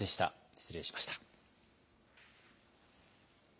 失礼しました。